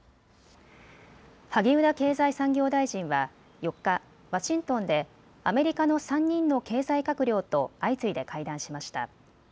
萩生田経済産業大臣は４日、ワシントンでアメリカの３人の経済閣僚と相次いで会談しました。